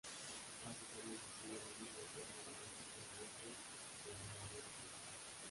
Básicamente tiene la misma forma del diamante de baseball pero de menores medidas.